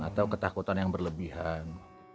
atau ketakutan yang berlebihan